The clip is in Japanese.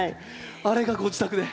あれがご自宅で。